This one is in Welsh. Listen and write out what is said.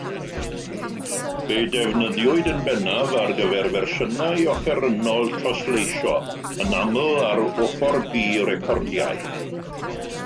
Fe'i defnyddiwyd yn bennaf ar gyfer fersiynau offerynnol trosleisio, yn aml ar ochr-b recordiau.